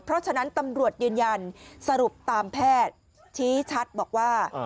เพราะฉะนั้นตำรวจยืนยันสรุปตามแพทย์ชี้ชัดบอกว่า